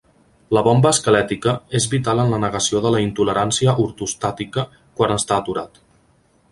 La bomba esquelètica és vital en la negació de la intolerància ortostàtica quan està aturat.